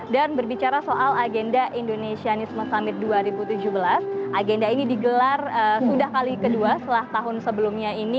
berbicara soal agenda indonesianisme summit dua ribu tujuh belas agenda ini digelar sudah kali kedua setelah tahun sebelumnya ini